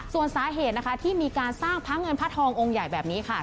ส่วนสาเหตุที่มีการสร้างพระเงินพระทององค์ใหญ่แบบนี้ค่ะ